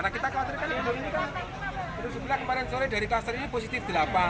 karena kita khawatirkan ini kemarin sore dari kluster ini positif delapan